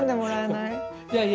いやいや。